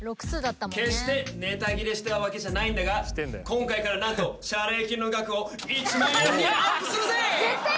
決してネタ切れしたわけじゃないんだが今回から何と謝礼金の額を１万円にアップするぜ！